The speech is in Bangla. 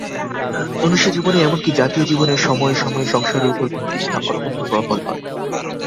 মনুষ্যজীবনে, এমন কি জাতীয় জীবনেও সময়ে সময়ে সংসারের উপর বিতৃষ্ণা অত্যন্ত প্রবল হয়।